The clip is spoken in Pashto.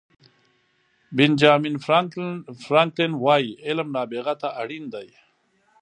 بینجامین فرانکلن وایي علم نابغه ته اړین دی.